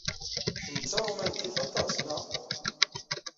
Kemm d taṛumantit aṭas, naɣ?